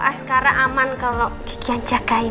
askara aman kalau kiki yang jagain